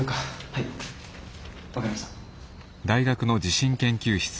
はい分かりました。